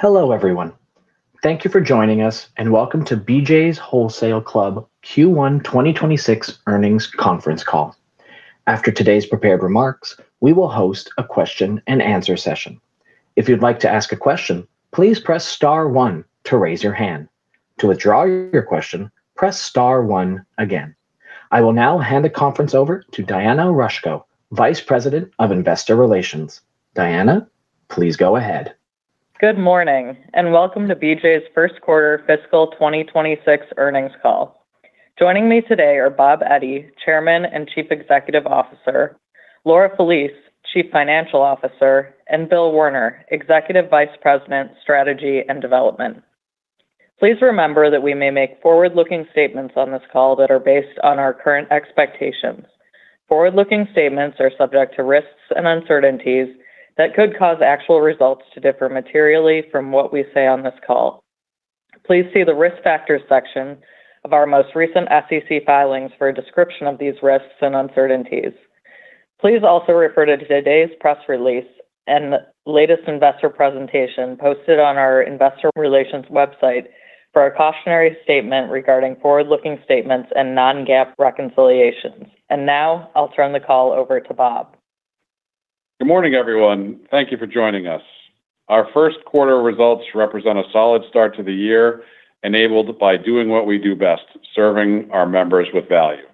Hello, everyone. Thank you for joining us, and welcome to BJ’s Wholesale Club Q1 2026 earnings conference call. After today's prepared remarks, we will host a question-and-answer session. If you'd like to ask a question, please press star one to raise your hand. To withdraw your question, press star one again. I will now hand the conference over to Diana Rashkow, Vice President of Investor Relations. Diana, please go ahead. Good morning, and welcome to BJ's first quarter fiscal 2026 earnings call. Joining me today are Bob Eddy, Chairman and Chief Executive Officer, Laura Felice, Chief Financial Officer, and Bill Werner, Executive Vice President, Strategy and Development. Please remember that we may make forward-looking statements on this call that are based on our current expectations. Forward-looking statements are subject to risks and uncertainties that could cause actual results to differ materially from what we say on this call. Please see the Risk Factors section of our most recent SEC filings for a description of these risks and uncertainties. Please also refer to today's press release and the latest investor presentation posted on our Investor Relations website for a cautionary statement regarding forward-looking statements and non-GAAP reconciliations. Now I'll turn the call over to Bob. Good morning, everyone. Thank you for joining us. Our first quarter results represent a solid start to the year, enabled by doing what we do best, serving our members with value.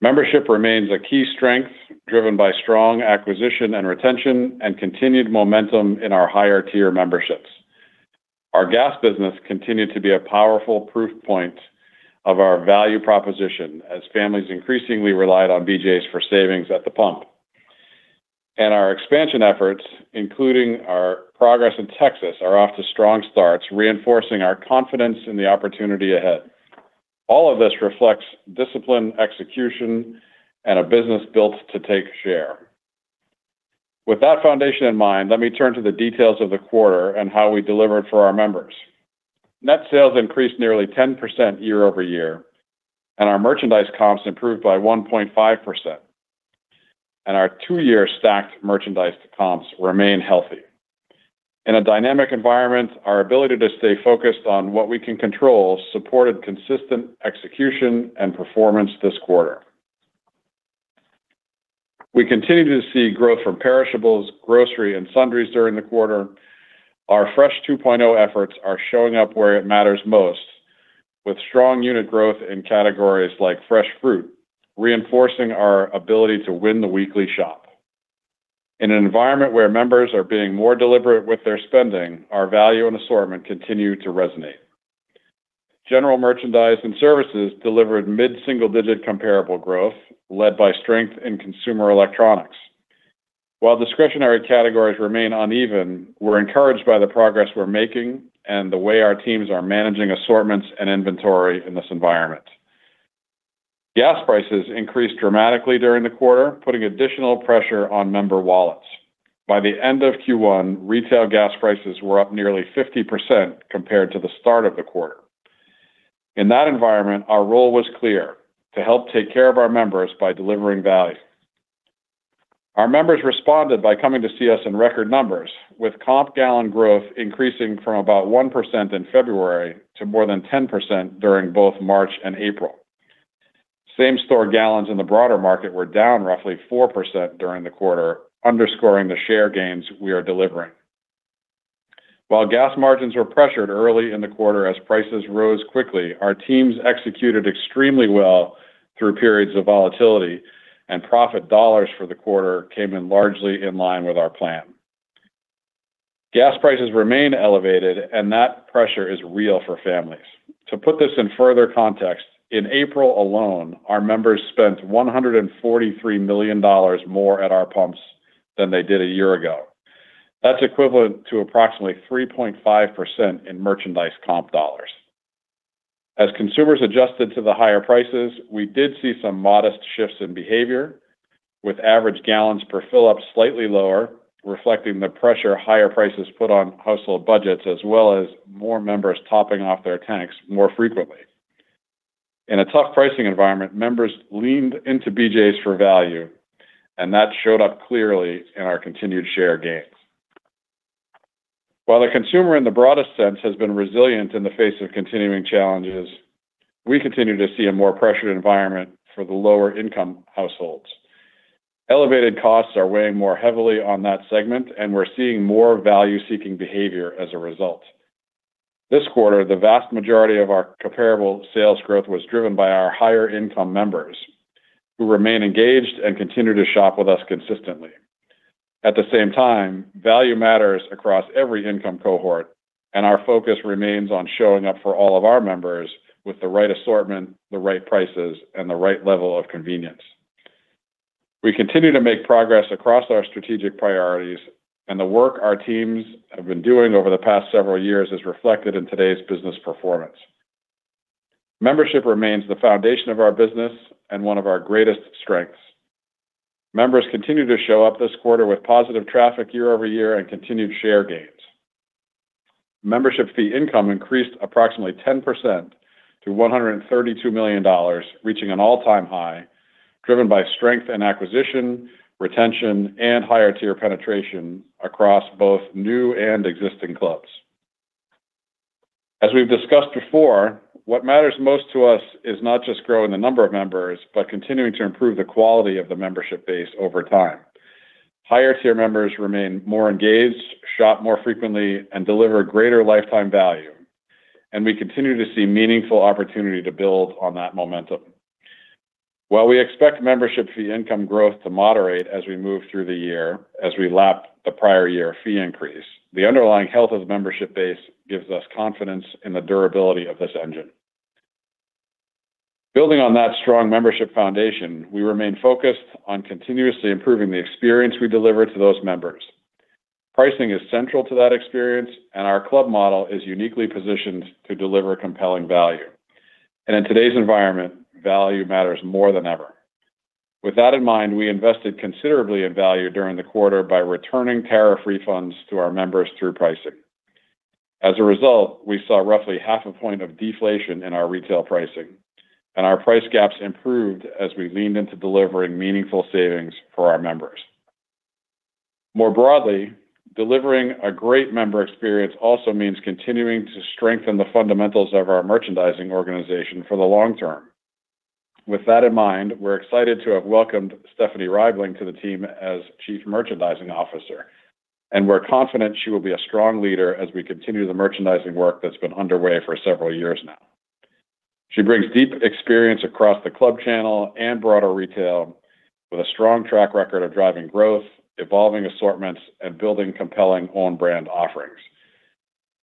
Membership remains a key strength, driven by strong acquisition and retention and continued momentum in our higher-tier memberships. Our gas business continued to be a powerful proof point of our value proposition as families increasingly relied on BJ's for savings at the pump. Our expansion efforts, including our progress in Texas, are off to strong starts, reinforcing our confidence in the opportunity ahead. All of this reflects disciplined execution and a business built to take share. With that foundation in mind, let me turn to the details of the quarter and how we delivered for our members. Net sales increased nearly 10% year-over-year, and our merchandise comps improved by 1.5%. Our two year stacked merchandise comps remain healthy. In a dynamic environment, our ability to stay focused on what we can control supported consistent execution and performance this quarter. We continued to see growth from perishables, grocery, and sundries during the quarter. Our Fresh 2.0 efforts are showing up where it matters most with strong unit growth in categories like fresh fruit, reinforcing our ability to win the weekly shop. In an environment where members are being more deliberate with their spending, our value and assortment continue to resonate. General merchandise and services delivered mid-single-digit comparable growth led by strength in consumer electronics. While discretionary categories remain uneven, we're encouraged by the progress we're making and the way our teams are managing assortments and inventory in this environment. Gas prices increased dramatically during the quarter, putting additional pressure on member wallets. By the end of Q1, retail gas prices were up nearly 50% compared to the start of the quarter. In that environment, our role was clear: to help take care of our members by delivering value. Our members responded by coming to see us in record numbers, with comp gallon growth increasing from about 1% in February to more than 10% during both March and April. Same-store gallons in the broader market were down roughly 4% during the quarter, underscoring the share gains we are delivering. While gas margins were pressured early in the quarter as prices rose quickly, our teams executed extremely well through periods of volatility. Profit dollars for the quarter came in largely in line with our plan. Gas prices remain elevated. That pressure is real for families. To put this in further context, in April alone, our members spent $143 million more at our pumps than they did a year ago. That's equivalent to approximately 3.5% in merchandise comp dollars. As consumers adjusted to the higher prices, we did see some modest shifts in behavior with average gallons per fill-up slightly lower, reflecting the pressure higher prices put on household budgets, as well as more members topping off their tanks more frequently. In a tough pricing environment, members leaned into BJ's for value, and that showed up clearly in our continued share gains. While the consumer in the broadest sense has been resilient in the face of continuing challenges, we continue to see a more pressured environment for the lower-income households. Elevated costs are weighing more heavily on that segment, and we're seeing more value-seeking behavior as a result. This quarter, the vast majority of our comparable sales growth was driven by our higher-income members who remain engaged and continue to shop with us consistently. At the same time, value matters across every income cohort, and our focus remains on showing up for all of our members with the right assortment, the right prices, and the right level of convenience. We continue to make progress across our strategic priorities, and the work our teams have been doing over the past several years is reflected in today's business performance. Membership remains the foundation of our business and one of our greatest strengths. Members continued to show up this quarter with positive traffic year-over-year and continued share gains. Membership fee income increased approximately 10% to $132 million, reaching an all-time high. Driven by strength and acquisition, retention, and higher tier penetration across both new and existing clubs. As we've discussed before, what matters most to us is not just growing the number of members, but continuing to improve the quality of the membership base over time. Higher tier members remain more engaged, shop more frequently, and deliver greater lifetime value, and we continue to see meaningful opportunity to build on that momentum. While we expect membership fee income growth to moderate as we move through the year, as we lap the prior year fee increase, the underlying health of the membership base gives us confidence in the durability of this engine. Building on that strong membership foundation, we remain focused on continuously improving the experience we deliver to those members. Pricing is central to that experience, and our club model is uniquely positioned to deliver compelling value. In today's environment, value matters more than ever. With that in mind, we invested considerably in value during the quarter by returning tariff refunds to our members through pricing. As a result, we saw roughly half a point of deflation in our retail pricing, and our price gaps improved as we leaned into delivering meaningful savings for our members. More broadly, delivering a great member experience also means continuing to strengthen the fundamentals of our merchandising organization for the long term. With that in mind, we're excited to have welcomed Stephanie Reibling to the team as Chief Merchandising Officer, and we're confident she will be a strong leader as we continue the merchandising work that's been underway for several years now. She brings deep experience across the club channel and broader retail with a strong track record of driving growth, evolving assortments, and building compelling own brand offerings.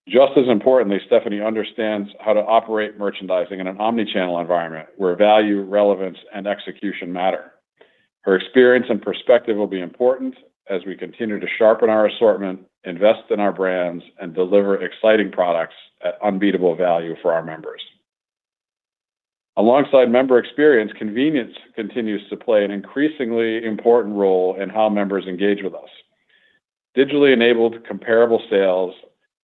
Just as importantly, Stephanie understands how to operate merchandising in an omnichannel environment, where value, relevance, and execution matter. Her experience and perspective will be important as we continue to sharpen our assortment, invest in our brands, and deliver exciting products at unbeatable value for our members. Alongside member experience, convenience continues to play an increasingly important role in how members engage with us. Digitally enabled comparable sales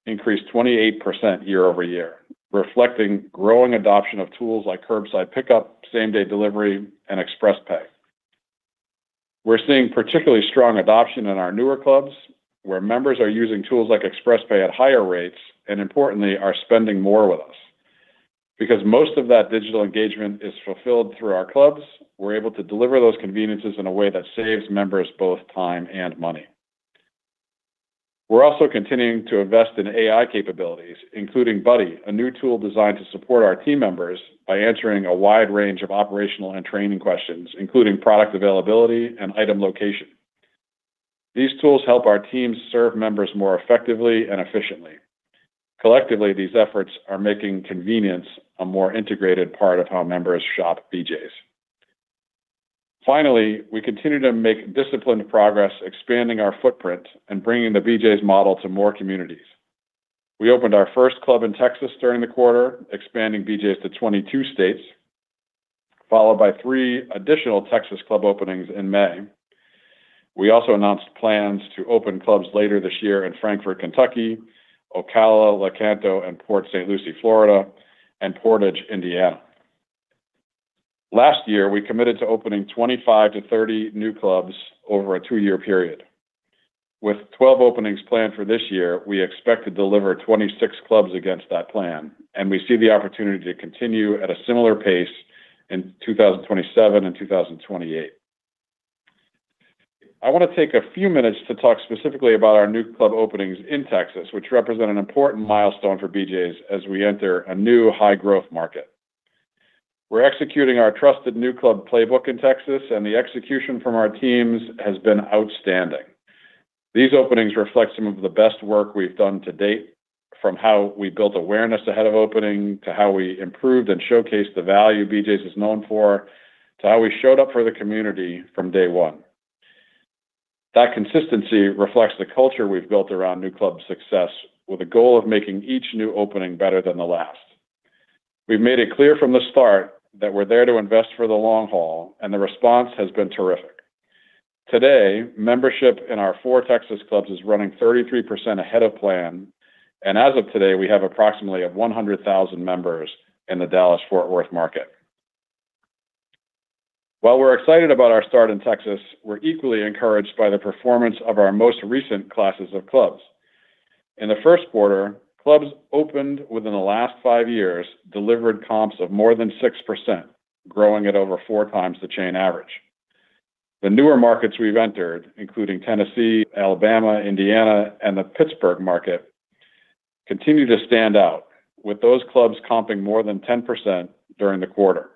increased 28% year-over-year, reflecting growing adoption of tools like curbside pickup, same-day delivery, and ExpressPay. We're seeing particularly strong adoption in our newer clubs, where members are using tools like ExpressPay at higher rates, and importantly, are spending more with us. Because most of that digital engagement is fulfilled through our clubs, we're able to deliver those conveniences in a way that saves members both time and money. We're also continuing to invest in AI capabilities, including Buddy, a new tool designed to support our team members by answering a wide range of operational and training questions, including product availability and item location. These tools help our teams serve members more effectively and efficiently. Collectively, these efforts are making convenience a more integrated part of how members shop BJ's. Finally, we continue to make disciplined progress expanding our footprint and bringing the BJ's model to more communities. We opened our first club in Texas during the quarter, expanding BJ's to 22 states, followed by three additional Texas club openings in May. We also announced plans to open clubs later this year in Frankfort, Kentucky, Ocala, Lecanto, and Port St. Lucie, Florida, and Portage, Indiana. Last year, we committed to opening 25-30 new clubs over a two year period. With 12 openings planned for this year, we expect to deliver 26 clubs against that plan, and we see the opportunity to continue at a similar pace in 2027 and 2028. I want to take a few minutes to talk specifically about our new club openings in Texas, which represent an important milestone for BJ's as we enter a new high-growth market. We're executing our trusted new club playbook in Texas, and the execution from our teams has been outstanding. These openings reflect some of the best work we've done to date, from how we built awareness ahead of opening, to how we improved and showcased the value BJ's is known for, to how we showed up for the community from day one. That consistency reflects the culture we've built around new club success, with a goal of making each new opening better than the last. We've made it clear from the start that we're there to invest for the long haul, and the response has been terrific. Today, membership in our four Texas clubs is running 33% ahead of plan, and as of today, we have approximately 100,000 members in the Dallas-Fort Worth market. While we're excited about our start in Texas, we're equally encouraged by the performance of our most recent classes of clubs. In the first quarter, clubs opened within the last five years delivered comps of more than 6%, growing at over 4x the chain average. The newer markets we've entered, including Tennessee, Alabama, Indiana, and the Pittsburgh market, continue to stand out, with those clubs comping more than 10% during the quarter.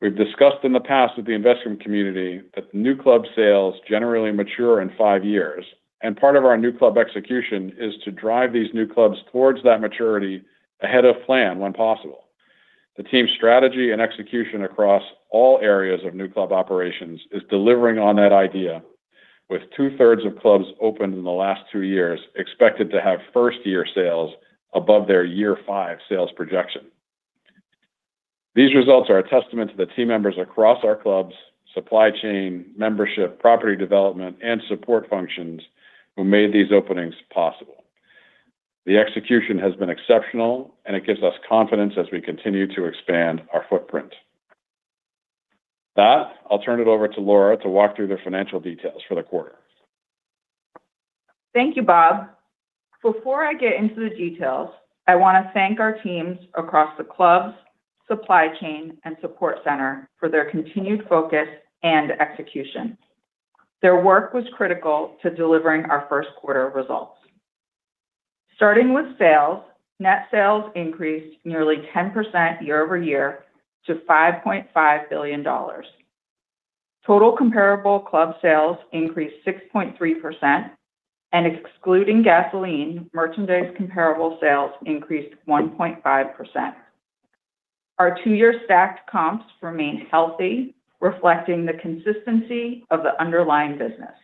We've discussed in the past with the investment community that new club sales generally mature in five years, and part of our new club execution is to drive these new clubs towards that maturity ahead of plan when possible. The team's strategy and execution across all areas of new club operations is delivering on that idea, with 2/3 of clubs opened in the last two years expected to have first year sales above their year five sales projection. These results are a testament to the team members across our clubs, supply chain, membership, property development, and support functions who made these openings possible. The execution has been exceptional, and it gives us confidence as we continue to expand our footprint. With that, I'll turn it over to Laura to walk through the financial details for the quarter. Thank you, Bob. Before I get into the details, I want to thank our teams across the clubs, supply chain, and support center for their continued focus and execution. Their work was critical to delivering our first quarter results. Starting with sales, net sales increased nearly 10% year-over-year to $5.5 billion. Total comparable club sales increased 6.3%. Excluding gasoline, merchandise comparable sales increased 1.5%. Our two year stacked comps remain healthy, reflecting the consistency of the underlying business.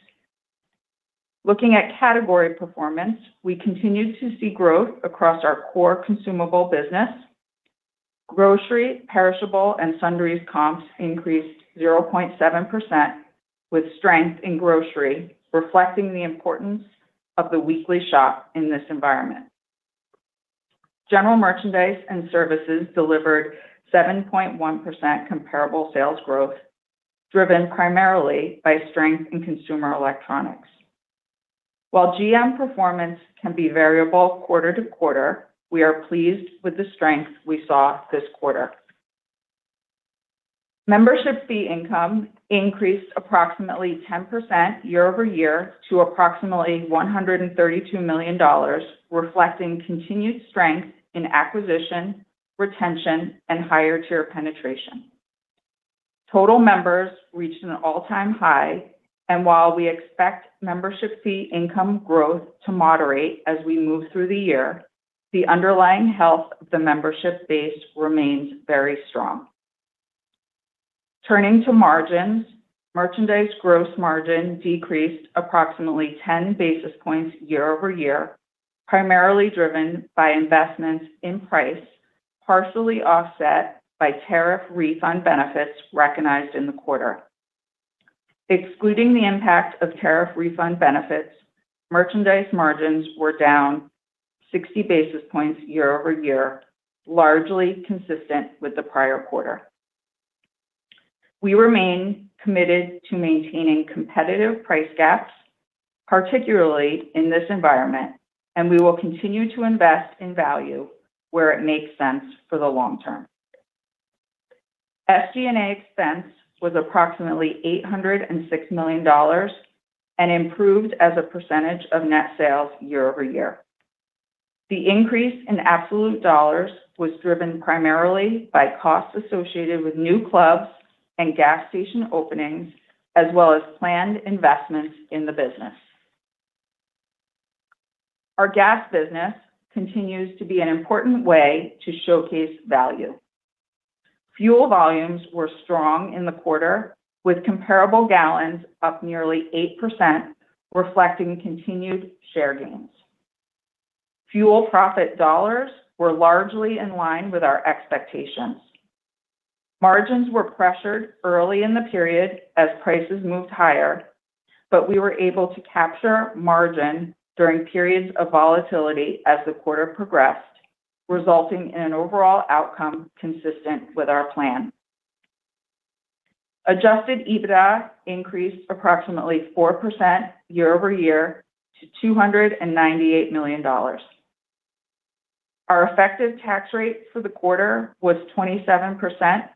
Looking at category performance, we continue to see growth across our core consumable business. Grocery, perishable, and sundries comps increased 0.7%, with strength in grocery reflecting the importance of the weekly shop in this environment. General merchandise and services delivered 7.1% comparable sales growth, driven primarily by strength in consumer electronics. While GM performance can be variable quarter-to-quarter, we are pleased with the strength we saw this quarter. Membership fee income increased approximately 10% year-over-year to approximately $132 million, reflecting continued strength in acquisition, retention, and higher tier penetration. Total members reached an all-time high, and while we expect membership fee income growth to moderate as we move through the year, the underlying health of the membership base remains very strong. Turning to margins, merchandise gross margin decreased approximately 10 basis points year-over-year, primarily driven by investments in price, partially offset by tariff refund benefits recognized in the quarter. Excluding the impact of tariff refund benefits, merchandise margins were down 60 basis points year-over-year, largely consistent with the prior quarter. We remain committed to maintaining competitive price gaps, particularly in this environment, and we will continue to invest in value where it makes sense for the long term. SG&A expense was approximately $806 million and improved as a percentage of net sales year-over-year. The increase in absolute dollars was driven primarily by costs associated with new clubs and gas station openings, as well as planned investments in the business. Our gas business continues to be an important way to showcase value. Fuel volumes were strong in the quarter, with comparable gallons up nearly 8%, reflecting continued share gains. Fuel profit dollars were largely in line with our expectations. Margins were pressured early in the period as prices moved higher, but we were able to capture margin during periods of volatility as the quarter progressed, resulting in an overall outcome consistent with our plan. Adjusted EBITDA increased approximately 4% year-over-year to $298 million. Our effective tax rate for the quarter was 27%,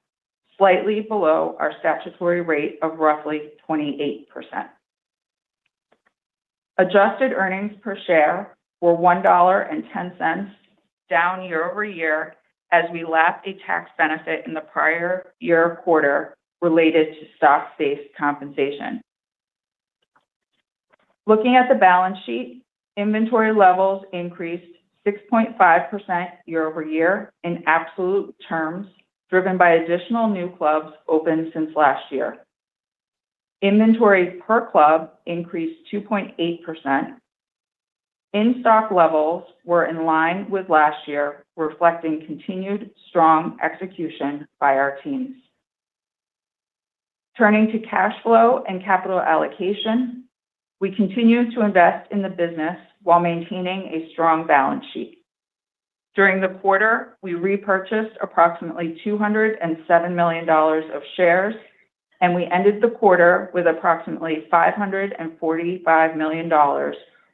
slightly below our statutory rate of roughly 28%. Adjusted earnings per share were $1.10, down year-over-year as we lapped a tax benefit in the prior year quarter related to stock-based compensation. Looking at the balance sheet, inventory levels increased 6.5% year-over-year in absolute terms, driven by additional new clubs opened since last year. Inventories per club increased 2.8%. In-stock levels were in line with last year, reflecting continued strong execution by our teams. Turning to cash flow and capital allocation, we continue to invest in the business while maintaining a strong balance sheet. During the quarter, we repurchased approximately $207 million of shares, and we ended the quarter with approximately $545 million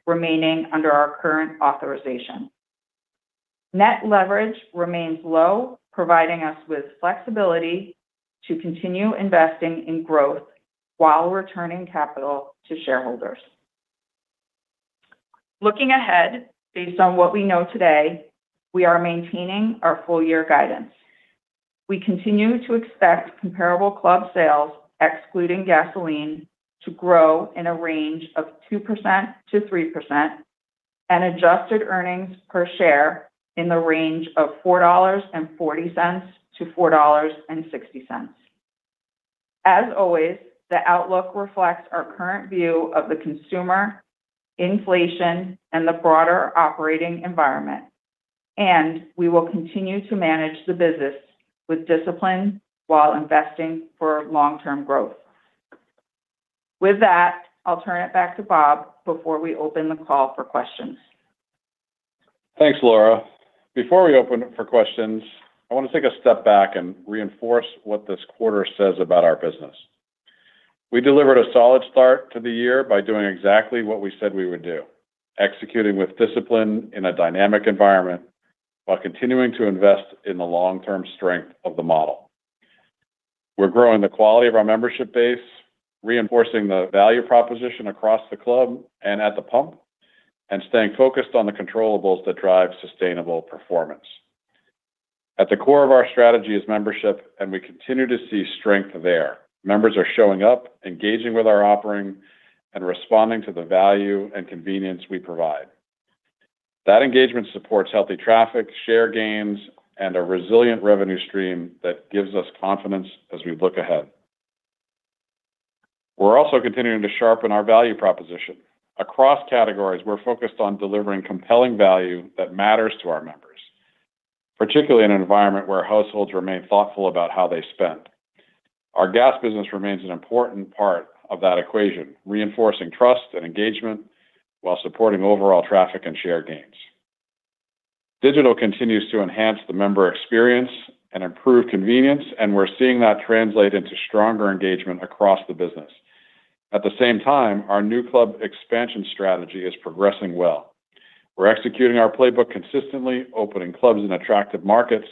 remaining under our current authorization. Net leverage remains low, providing us with flexibility to continue investing in growth while returning capital to shareholders. Looking ahead, based on what we know today, we are maintaining our full-year guidance. We continue to expect comparable club sales, excluding gasoline, to grow in a range of 2%-3% and adjusted earnings per share in the range of $4.40-$4.60. As always, the outlook reflects our current view of the consumer, inflation, and the broader operating environment. We will continue to manage the business with discipline while investing for long-term growth. With that, I'll turn it back to Bob before we open the call for questions. Thanks, Laura. Before we open for questions, I want to take a step back and reinforce what this quarter says about our business. We delivered a solid start to the year by doing exactly what we said we would do: executing with discipline in a dynamic environment while continuing to invest in the long-term strength of the model. We're growing the quality of our membership base, reinforcing the value proposition across the club and at the pump, and staying focused on the controllables that drive sustainable performance. At the core of our strategy is membership, and we continue to see strength there. Members are showing up, engaging with our offering, and responding to the value and convenience we provide. That engagement supports healthy traffic, share gains, and a resilient revenue stream that gives us confidence as we look ahead. We're also continuing to sharpen our value proposition. Across categories, we're focused on delivering compelling value that matters to our members, particularly in an environment where households remain thoughtful about how they spend. Our gas business remains an important part of that equation, reinforcing trust and engagement while supporting overall traffic and share gains. Digital continues to enhance the member experience and improve convenience, and we're seeing that translate into stronger engagement across the business. At the same time, our new club expansion strategy is progressing well. We're executing our playbook consistently, opening clubs in attractive markets,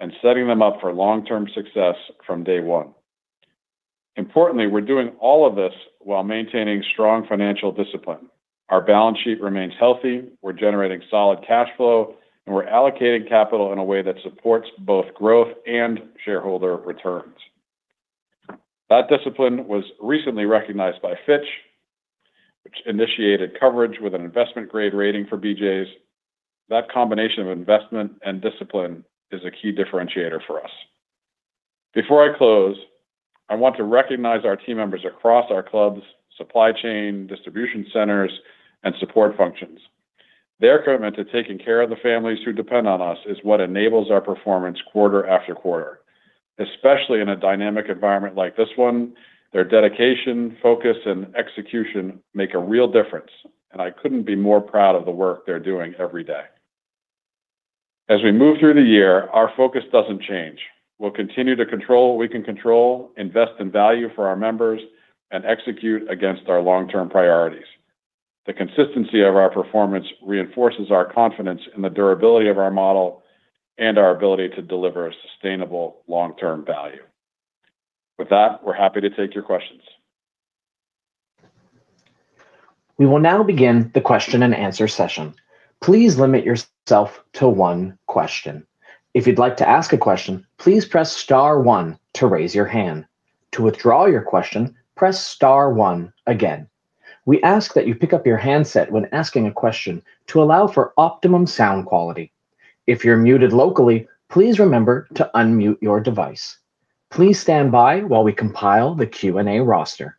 and setting them up for long-term success from day one. Importantly, we're doing all of this while maintaining strong financial discipline. Our balance sheet remains healthy, we're generating solid cash flow, and we're allocating capital in a way that supports both growth and shareholder returns. That discipline was recently recognized by Fitch, which initiated coverage with an investment-grade rating for BJ's. That combination of investment and discipline is a key differentiator for us. Before I close, I want to recognize our team members across our clubs, supply chain, distribution centers, and support functions. Their commitment to taking care of the families who depend on us is what enables our performance quarter-after-quarter. Especially in a dynamic environment like this one, their dedication, focus, and execution make a real difference, and I couldn't be more proud of the work they're doing every day. As we move through the year, our focus doesn't change. We'll continue to control what we can control, invest in value for our members, and execute against our long-term priorities. The consistency of our performance reinforces our confidence in the durability of our model and our ability to deliver a sustainable long-term value. With that, we're happy to take your questions. We will now begin the question-and-answer session. Please limit yourself to one question. If you'd like to ask a question, please press star one to raise your hand. To withdraw your question, press star one again. We ask that you pick up your handset when asking a question to allow for optimum sound quality. If you're muted locally, please remember to unmute your device. Please stand by while we compile the Q&A roster.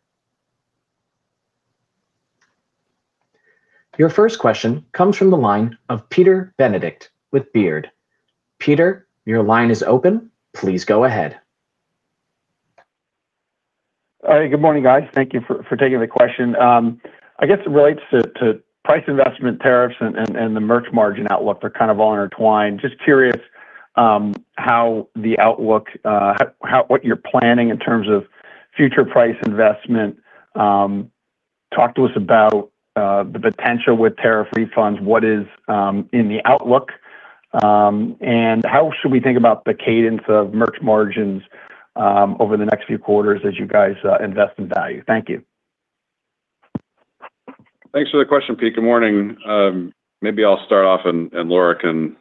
Your first question comes from the line of Peter Benedict with Baird. Peter, your line is open. Please go ahead. All right. Good morning, guys. Thank you for taking the question. I guess it relates to price investment tariffs and the merch margin outlook. They're kind of all intertwined. Just curious, what you're planning in terms of future price investment. Talk to us about the potential with tariff refunds. What is in the outlook, and how should we think about the cadence of merch margins over the next few quarters as you guys invest in value? Thank you. Thanks for the question, Pete. Good morning. Maybe I'll start off, and Laura can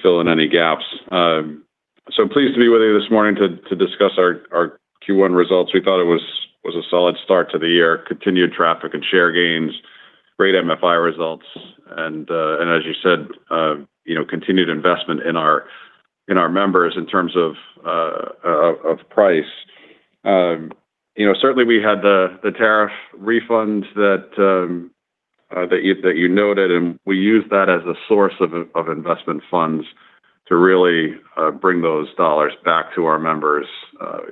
fill in any gaps. Pleased to be with you this morning to discuss our Q1 results. We thought it was a solid start to the year. Continued traffic and share gains, great MFI results, and as you said, continued investment in our members in terms of price. Certainly, we had the tariff refund that you noted, and we used that as a source of investment funds to really bring those dollars back to our members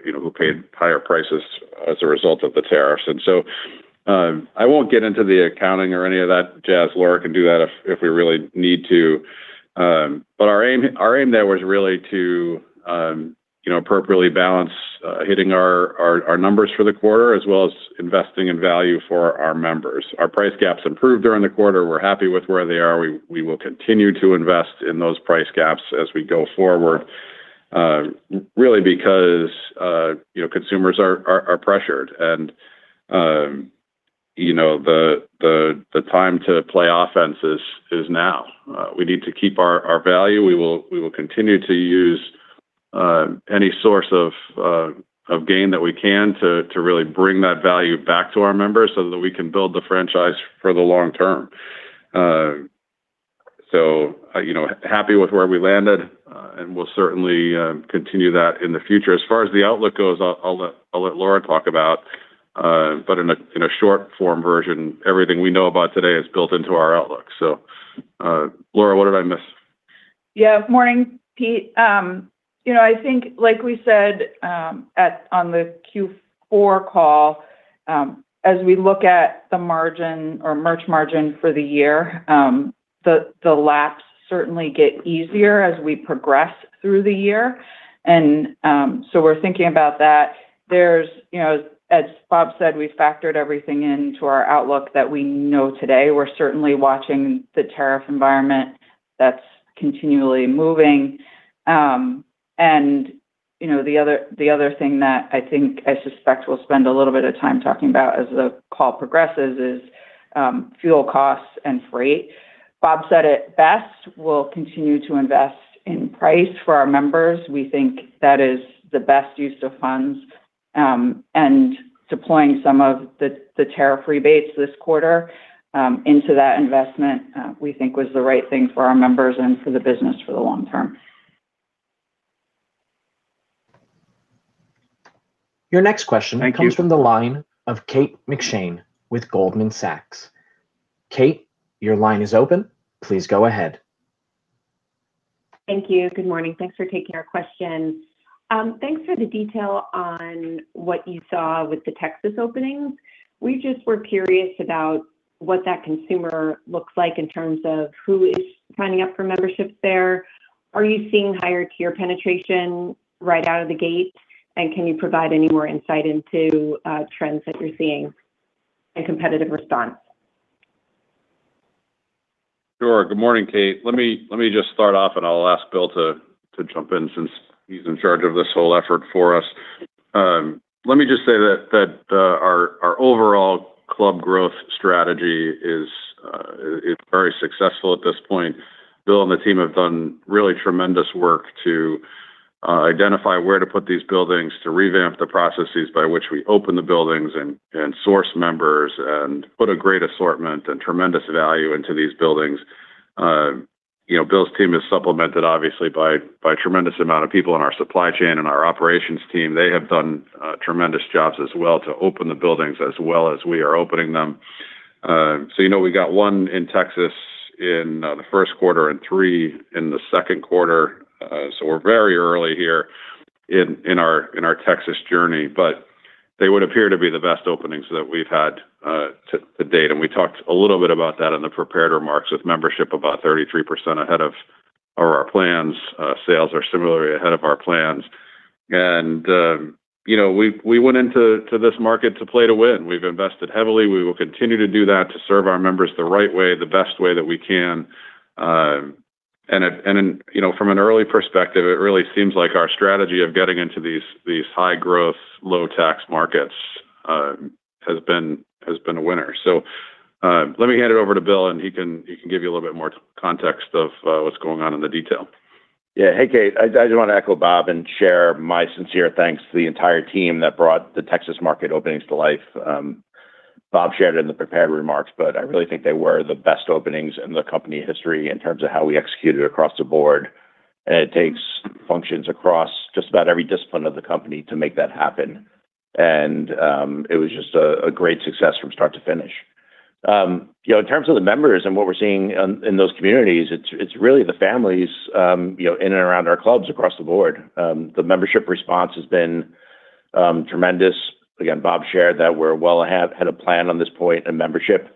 who paid higher prices as a result of the tariffs. I won't get into the accounting or any of that jazz. Laura can do that if we really need to. Our aim there was really to appropriately balance hitting our numbers for the quarter, as well as investing in value for our members. Our price gaps improved during the quarter. We're happy with where they are. We will continue to invest in those price gaps as we go forward. Really because consumers are pressured, and the time to play offense is now. We need to keep our value. We will continue to use any source of gain that we can to really bring that value back to our members so that we can build the franchise for the long term. Happy with where we landed, and we'll certainly continue that in the future. As far as the outlook goes, I'll let Laura talk about, but in a short-form version, everything we know about today is built into our outlook. Laura, what did I miss? Yeah. Morning, Pete. I think, like we said on the Q4 call, as we look at the merch margin for the year, the laps certainly get easier as we progress through the year. We're thinking about that. As Bob said, we factored everything into our outlook that we know today. We're certainly watching the tariff environment that's continually moving. The other thing that I think I suspect we'll spend a little bit of time talking about as the call progresses is fuel costs and freight. Bob said it best. We'll continue to invest in price for our members. We think that is the best use of funds, deploying some of the tariff rebates this quarter into that investment, we think was the right thing for our members and for the business for the long term. Your next question- Thank you. Comes from the line of Kate McShane with Goldman Sachs. Kate, your line is open. Please go ahead. Thank you. Good morning. Thanks for taking our question. Thanks for the detail on what you saw with the Texas openings. We just were curious about what that consumer looks like in terms of who is signing up for memberships there. Are you seeing higher tier penetration right out of the gate? Can you provide any more insight into trends that you're seeing and competitive response? Sure. Good morning, Kate. Let me just start off, and I'll ask Bill to jump in since he's in charge of this whole effort for us. Let me just say that our overall club growth strategy is very successful at this point. Bill and the team have done really tremendous work to identify where to put these buildings, to revamp the processes by which we open the buildings and source members, and put a great assortment and tremendous value into these buildings. Bill's team is supplemented obviously by a tremendous amount of people in our supply chain and our operations team. They have done tremendous jobs as well to open the buildings as well as we are opening them. We got one in Texas in the first quarter and three in the second quarter. We're very early here in our Texas journey. They would appear to be the best openings that we've had to date, and we talked a little bit about that in the prepared remarks with membership about 33% ahead of our plans. Sales are similarly ahead of our plans. We went into this market to play to win. We've invested heavily. We will continue to do that to serve our members the right way, the best way that we can. From an early perspective, it really seems like our strategy of getting into these high-growth, low-tax markets has been a winner. Let me hand it over to Bill, and he can give you a little bit more context of what's going on in the detail. Yeah. Hey, Kate. I just want to echo Bob and share my sincere thanks to the entire team that brought the Texas market openings to life. Bob shared it in the prepared remarks, I really think they were the best openings in the company history in terms of how we executed across the board, it takes functions across just about every discipline of the company to make that happen. It was just a great success from start to finish. In terms of the members and what we're seeing in those communities, it's really the families in and around our clubs across the board. The membership response has been tremendous. Again, Bob shared that we're well ahead of plan on this point in membership.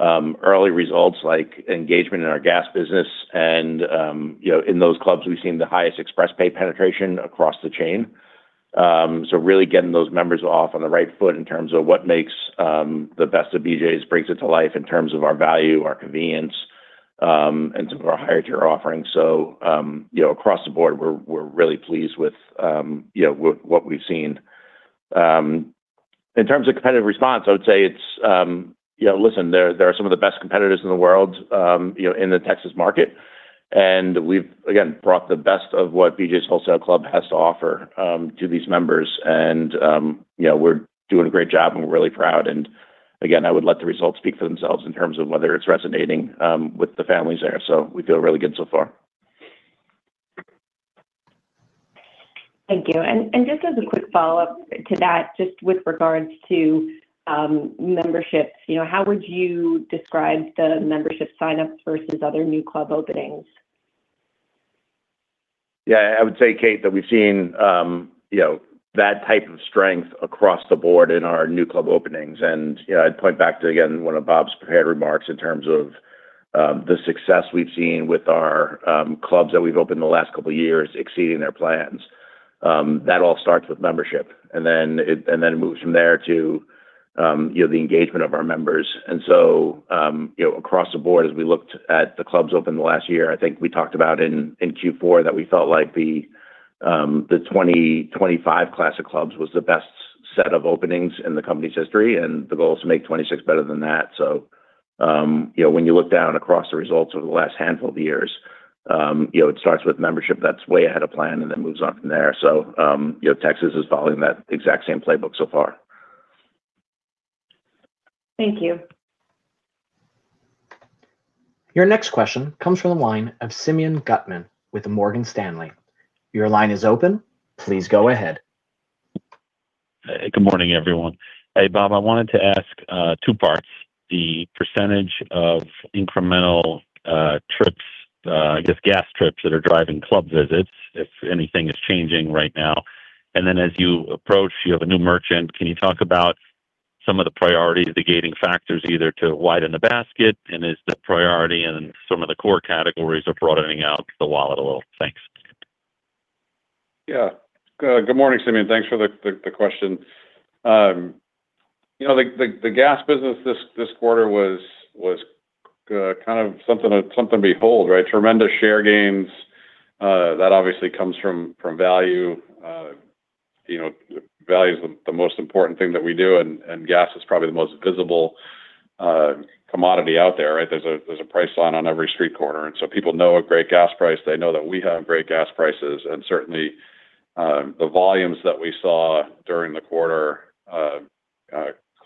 Early results like engagement in our gas business and in those clubs, we've seen the highest ExpressPay penetration across the chain. Really getting those members off on the right foot in terms of what makes the best of BJ's, brings it to life in terms of our value, our convenience, and some of our higher-tier offerings. Across the board, we're really pleased with what we've seen. In terms of competitive response, I would say, listen, they're some of the best competitors in the world in the Texas market. We've, again, brought the best of what BJ's Wholesale Club has to offer to these members. We're doing a great job, and we're really proud. Again, I would let the results speak for themselves in terms of whether it's resonating with the families there. We feel really good so far. Thank you. Just as a quick follow-up to that, just with regards to memberships, how would you describe the membership sign-ups versus other new club openings? Yeah. I would say, Kate, that we've seen that type of strength across the board in our new club openings. I'd point back to, again, one of Bob's prepared remarks in terms of the success we've seen with our clubs that we've opened in the last couple of years exceeding their plans. That all starts with membership, and then it moves from there to the engagement of our members. Across the board, as we looked at the clubs opened in the last year, I think we talked about in Q4 that we felt like the 2025 classic clubs was the best set of openings in the company's history, and the goal is to make 2026 better than that. When you look down across the results over the last handful of years, it starts with membership that's way ahead of plan and then moves on from there. Texas is following that exact same playbook so far. Thank you. Your next question comes from the line of Simeon Gutman with Morgan Stanley. Your line is open. Please go ahead. Good morning, everyone. Hey, Bob, I wanted to ask two parts. The percentage of incremental trips, I guess gas trips, that are driving club visits, if anything is changing right now. Then as you approach, you have a new merchant, can you talk about some of the priorities, the gating factors, either to widen the basket, and is the priority and some of the core categories are broadening out the wallet a little? Thanks. Yeah. Good morning, Simeon. Thanks for the question. The gas business this quarter was something to behold, right? Tremendous share gains. That obviously comes from value. Value is the most important thing that we do, and gas is probably the most visible commodity out there, right? There's a price sign on every street corner. People know a great gas price. They know that we have great gas prices. Certainly, the volumes that we saw during the quarter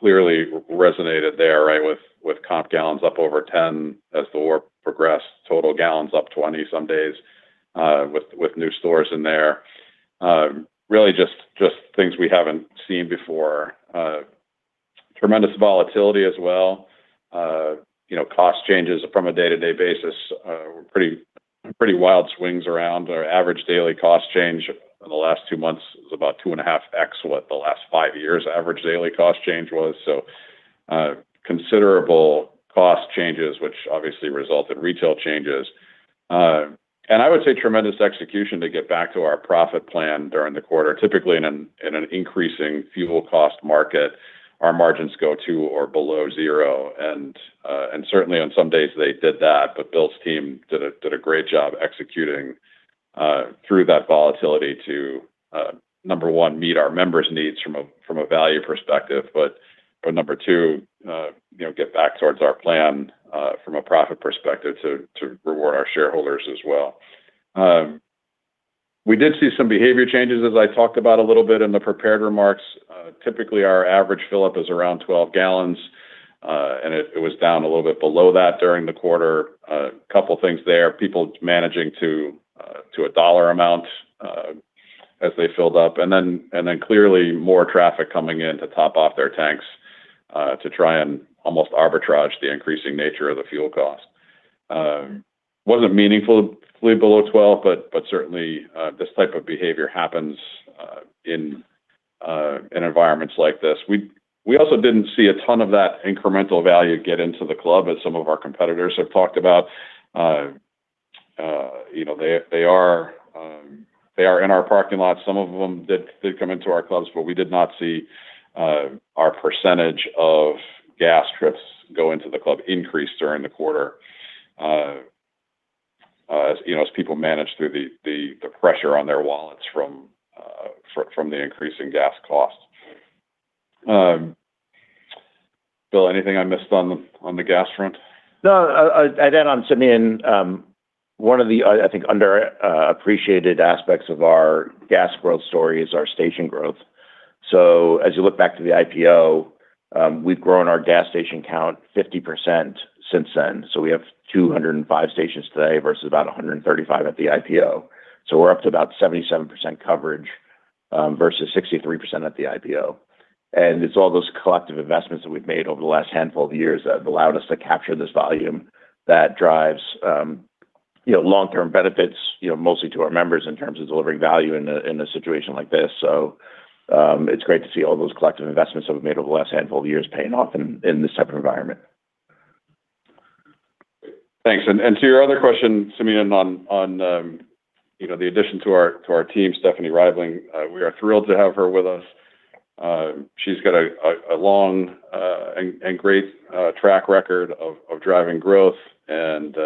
clearly resonated there, right, with comp gallons up over 10 as the war progressed, total gallons up 20 some days with new stores in there. Really just things we haven't seen before. Tremendous volatility as well. Cost changes from a day-to-day basis. Pretty wild swings around. Our average daily cost change in the last two months was about 2.5x what the last five years' average daily cost change was. Considerable cost changes, which obviously result in retail changes. I would say tremendous execution to get back to our profit plan during the quarter. Typically, in an increasing fuel cost market, our margins go to or below zero. Certainly on some days they did that, but Bill's team did a great job executing through that volatility to, number one, meet our members' needs from a value perspective, but number two, get back towards our plan, from a profit perspective, to reward our shareholders as well. We did see some behavior changes, as I talked about a little bit in the prepared remarks. Typically, our average fill-up is around 12 gal. It was down a little bit below that during the quarter. A couple things there. People managing to a dollar amount as they filled up. Clearly more traffic coming in to top off their tanks, to try and almost arbitrage the increasing nature of the fuel cost. Wasn't meaningfully below 12 gal, but certainly, this type of behavior happens in environments like this. We also didn't see a ton of that incremental value get into the club as some of our competitors have talked about. They are in our parking lot. Some of them did come into our clubs, but we did not see our percentage of gas trips go into the club increase during the quarter, as people manage through the pressure on their wallets from the increasing gas costs. Bill, anything I missed on the gas front? No. I'd add on, Simeon, one of the, I think, underappreciated aspects of our gas growth story is our station growth. As you look back to the IPO, we've grown our gas station count 50% since then. We have 205 stations today versus about 135 at the IPO. We're up to about 77% coverage, versus 63% at the IPO. It's all those collective investments that we've made over the last handful of years that have allowed us to capture this volume that drives long-term benefits, mostly to our members in terms of delivering value in a situation like this. It's great to see all those collective investments that we've made over the last handful of years paying off in this type of environment. Thanks. To your other question, Simeon, on the addition to our team, Stephanie Reibling, we are thrilled to have her with us. She's got a long and great track record of driving growth and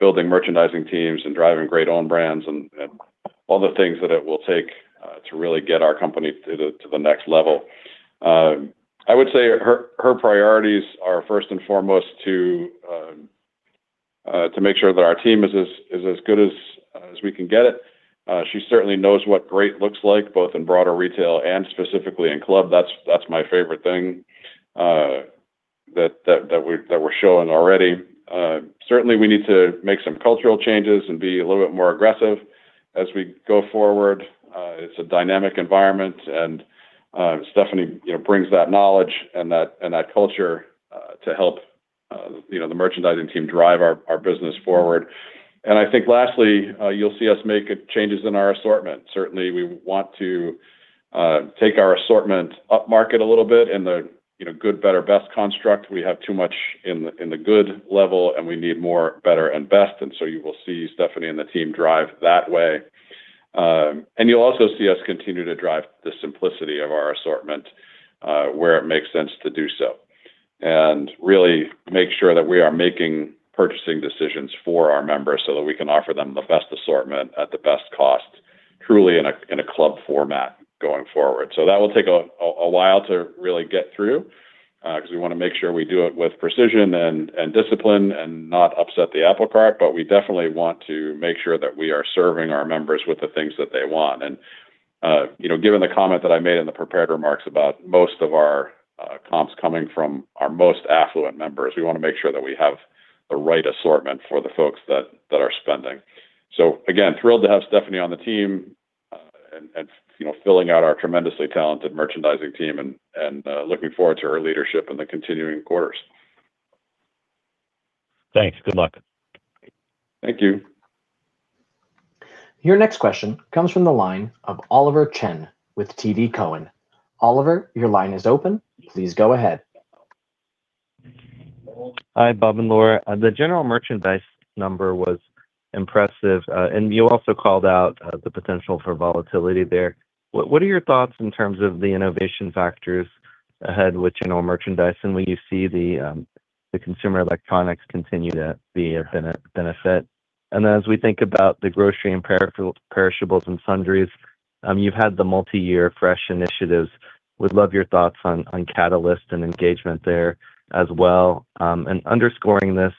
building merchandising teams and driving great own brands and all the things that it will take to really get our company to the next level. I would say her priorities are first and foremost to make sure that our team is as good as we can get it. She certainly knows what great looks like, both in broader retail and specifically in club. That's my favorite thing that we're showing already. Certainly, we need to make some cultural changes and be a little bit more aggressive as we go forward. It's a dynamic environment, and Stephanie brings that knowledge and that culture to help the merchandising team drive our business forward. I think lastly, you'll see us make changes in our assortment. Certainly, we want to take our assortment upmarket a little bit in the good, better, best construct. We have too much in the good level, and we need more better and best. You will see Stephanie and the team drive that way. You'll also see us continue to drive the simplicity of our assortment, where it makes sense to do so. Really make sure that we are making purchasing decisions for our members so that we can offer them the best assortment at the best cost, truly in a club format going forward. That will take a while to really get through, because we want to make sure we do it with precision and discipline and not upset the apple cart. We definitely want to make sure that we are serving our members with the things that they want. Given the comment that I made in the prepared remarks about most of our comps coming from our most affluent members. We want to make sure that we have the right assortment for the folks that are spending. Again, thrilled to have Stephanie on the team and filling out our tremendously talented merchandising team, and looking forward to her leadership in the continuing quarters. Thanks. Good luck. Thank you. Your next question comes from the line of Oliver Chen with TD Cowen. Oliver, your line is open. Please go ahead. Hi, Bob and Laura. The general merchandise number was impressive, and you also called out the potential for volatility there. What are your thoughts in terms of the innovation factors ahead with general merchandise, and will you see the consumer electronics continue to be a benefit? As we think about the grocery and perishables and sundries, you've had the multi-year Fresh initiatives. Would love your thoughts on catalyst and engagement there as well. Underscoring this,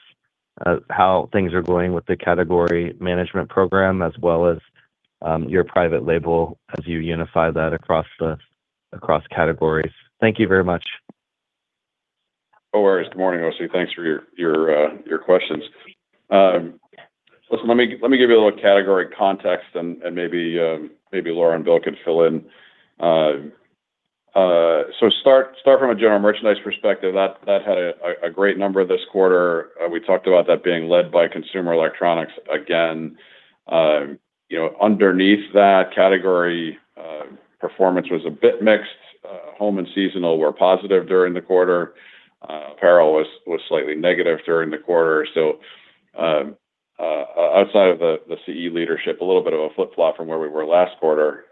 how things are going with the category management program, as well as your private label as you unify that across categories. Thank you very much. No worries. Good morning, O.C. Thanks for your questions. Listen, let me give you a little category context and maybe Laura and Bill can fill in. Start from a general merchandise perspective. That had a great number this quarter. We talked about that being led by consumer electronics again. Underneath that category, performance was a bit mixed. Home and seasonal were positive during the quarter. Apparel was slightly negative during the quarter. Outside of the CE leadership, a little bit of a flip-flop from where we were last quarter.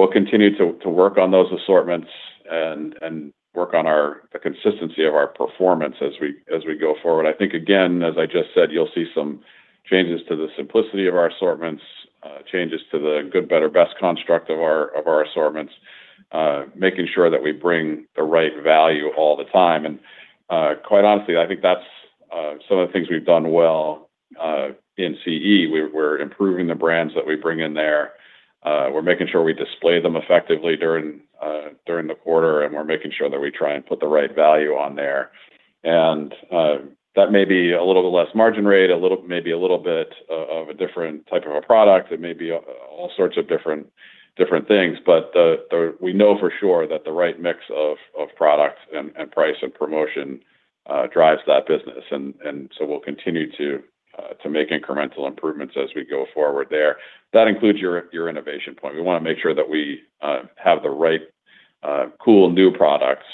We'll continue to work on those assortments and work on the consistency of our performance as we go forward. I think, again, as I just said, you'll see some changes to the simplicity of our assortments, changes to the good, better, best construct of our assortments, making sure that we bring the right value all the time. Quite honestly, I think that's some of the things we've done well in CE. We're improving the brands that we bring in there. We're making sure we display them effectively during the quarter, and we're making sure that we try and put the right value on there. That may be a little bit less margin rate, maybe a little bit of a different type of a product. It may be all sorts of different things. We know for sure that the right mix of products and price and promotion drives that business. We'll continue to make incremental improvements as we go forward there. That includes your innovation point. We want to make sure that we have the right cool new products.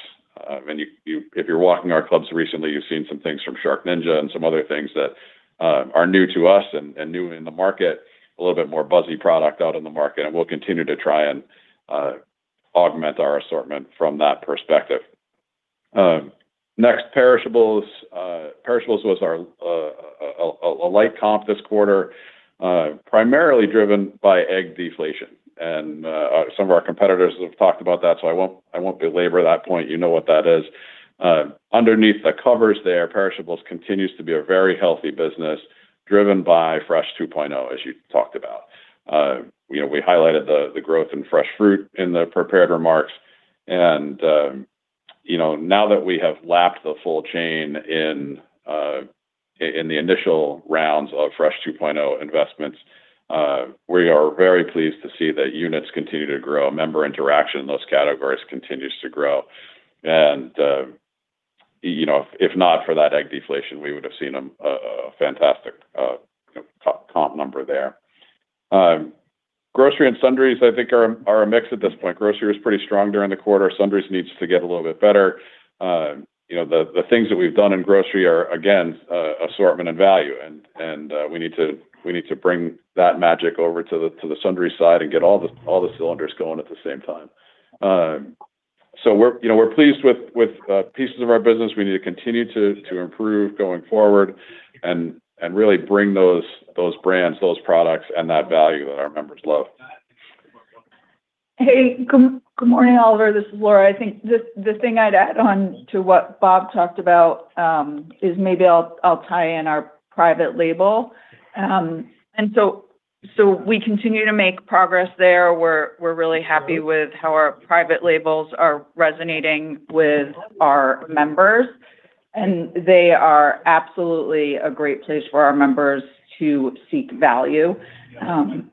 If you're walking our clubs recently, you've seen some things from SharkNinja and some other things that are new to us and new in the market, a little bit more buzzy product out in the market, and we'll continue to try and augment our assortment from that perspective. Next, perishables. Perishables was a light comp this quarter, primarily driven by egg deflation. Some of our competitors have talked about that, so I won't belabor that point. You know what that is. Underneath the covers there, perishables continues to be a very healthy business, driven by Fresh 2.0, as you talked about. We highlighted the growth in fresh fruit in the prepared remarks, and now that we have lapped the full chain in the initial rounds of Fresh 2.0 investments, we are very pleased to see that units continue to grow. Member interaction in those categories continues to grow. If not for that egg deflation, we would've seen a fantastic comp number there. Grocery and sundries I think are a mix at this point. Grocery was pretty strong during the quarter. Sundries needs to get a little bit better. The things that we've done in grocery are, again, assortment and value, and we need to bring that magic over to the sundries side and get all the cylinders going at the same time. We're pleased with pieces of our business. We need to continue to improve going forward and really bring those brands, those products, and that value that our members love. Hey. Good morning, Oliver. This is Laura. I think the thing I'd add on to what Bob talked about is maybe I'll tie in our private label. We continue to make progress there. We're really happy with how our private labels are resonating with our members, and they are absolutely a great place for our members to seek value. The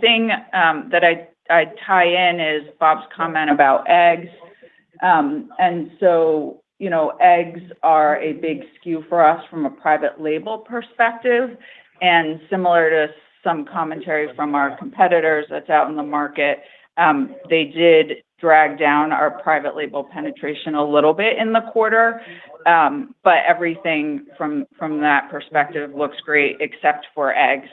thing that I'd tie in is Bob's comment about eggs. Eggs are a big SKU for us from a private label perspective, and similar to some commentary from our competitors that's out in the market, they did drag down our private label penetration a little bit in the quarter. Everything from that perspective looks great except for eggs.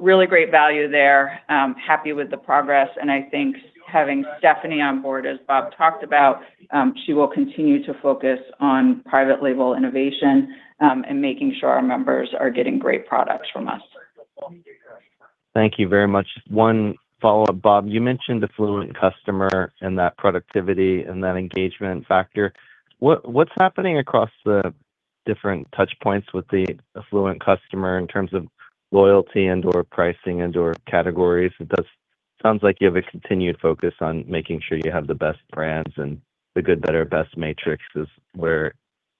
Really great value there. Happy with the progress, and I think having Stephanie on board, as Bob talked about, she will continue to focus on private label innovation and making sure our members are getting great products from us. Thank you very much. One follow-up, Bob. You mentioned the affluent customer and that productivity and that engagement factor. What's happening across the different touch points with the affluent customer in terms of loyalty and/or pricing and/or categories. It does sound like you have a continued focus on making sure you have the best brands, and the good, better, best matrix is where